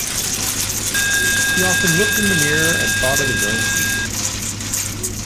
He often looked in the mirror and thought of his own future.